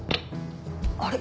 あれ？